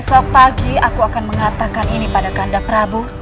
besok pagi aku akan mengatakan ini pada ganda prabu